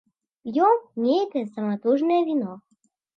П'ём нейкае саматужнае віно.